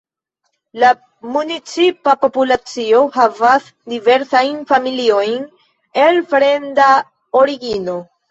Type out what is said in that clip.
La municipa populacio havas diversajn familiojn el fremda origino.